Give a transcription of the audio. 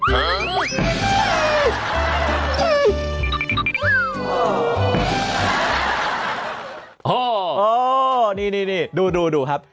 โหนี่ดูครับ